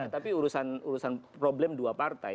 tapi urusan problem dua partai